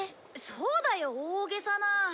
そうだよ大げさな。